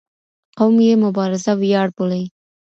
قوم یې مبارزه ویاړ بولي